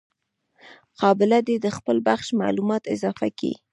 قابله دي د خپل بخش معلومات اضافه کي.